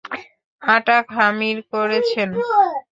আটা খামির করেছেন।